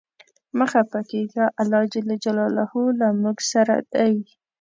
مه خپه کیږه ، الله ج له مونږ سره دی.